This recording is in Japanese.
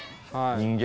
人間